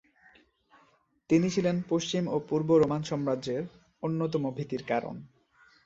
তিনি ছিলেন পশ্চিম ও পূর্ব রোমান সাম্রাজের অন্যতম ভীতির কারণ।